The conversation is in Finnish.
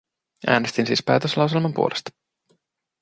Äänestin siis päätöslauselman puolesta.